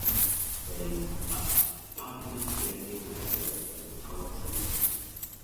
There is a public lending library in the town centre.